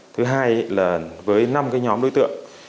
thứ hai là với năm nhóm đối tượng